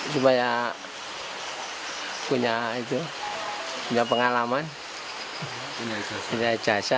supaya punya itu punya pengalaman punya ijasa